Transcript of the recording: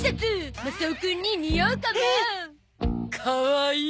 かわいい！